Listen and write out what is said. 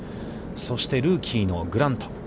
そして、ルーキーのグラント。